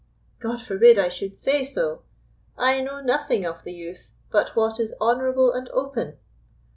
"God forbid I should say so! I know nothing of the youth but what is honourable and open.